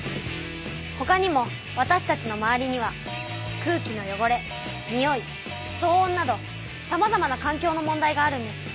ほかにもわたしたちの周りには空気の汚れ臭い騒音などさまざまな環境の問題があるんです。